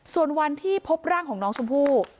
ส่วนวันที่พบร่างของน้องชมพู่